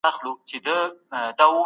زه د خپلو پښو په مینځلو بوخت یم.